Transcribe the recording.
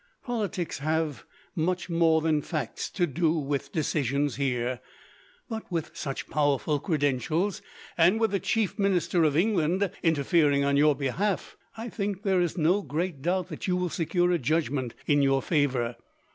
Politics have, much more than facts, to do with decisions here; but with such powerful credentials, and with the chief minister of England interfering on your behalf, I think that there is no great doubt that you will secure a judgment in your favour.